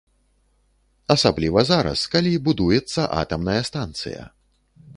Асабліва зараз, калі будуецца атамная станцыя.